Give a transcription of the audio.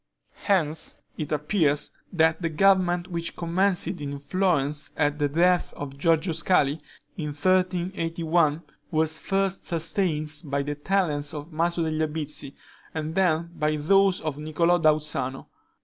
Hence, it appears, that the government which commenced in Florence at the death of Giorgio Scali, in 1381, was first sustained by the talents of Maso degli Albizzi, and then by those of Niccolo da Uzzano.